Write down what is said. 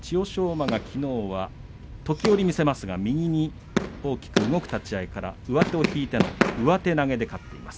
馬はきのうは時折見せますが、右に大きく動く立ち合いから上手を引いての上手投げで勝っています。